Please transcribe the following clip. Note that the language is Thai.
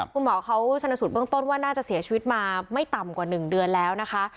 คุณหมอเขาชนสูตรเบื้องต้นว่าน่าจะเสียชีวิตมาไม่ต่ำกว่า๑เดือนแล้วนะคะ